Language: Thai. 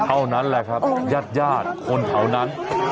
เท่านั้นแหละครับญาติญาติคนแถวนั้น